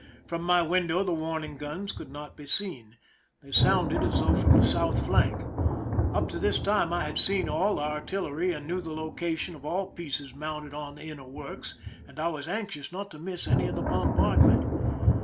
From my window the warning guns could not be seen ; they sounded as though from the south flank. Up to this time I had seen aU the artillery, and knew the location of all pieces mounted on the inner works, and I was anxious not to miss any of the bombardment.